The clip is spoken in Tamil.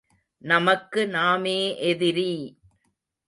நமக்கு நாமே எதிரி!